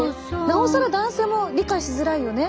なおさら男性も理解しづらいよね。